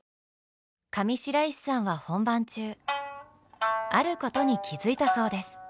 上白石さんは本番中あることに気付いたそうです。